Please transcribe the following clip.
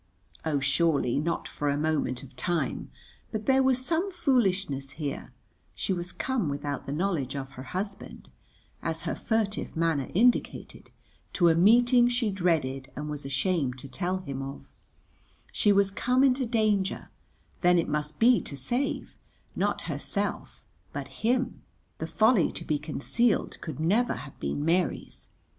Oh, surely not for a moment of time. But there was some foolishness here; she was come without the knowledge of her husband, as her furtive manner indicated, to a meeting she dreaded and was ashamed to tell him of; she was come into danger; then it must be to save, not herself but him; the folly to be concealed could never have been Mary's.